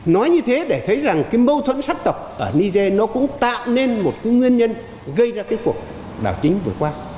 nói như thế để thấy rằng cái mâu thuẫn sắc tộc ở niger nó cũng tạo nên một cái nguyên nhân gây ra cái cuộc đảo chính vừa qua